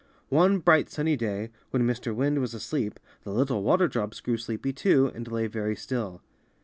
One bright sunny day, when Mr. Wind was asleep, the little water drops grew sleepy too, and lay very still.